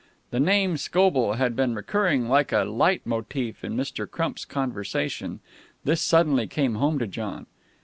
The name Scobell had been recurring like a leit motif in Mr. Crump's conversation. This suddenly came home to John.